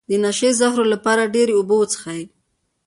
د نشې د زهرو لپاره ډیرې اوبه وڅښئ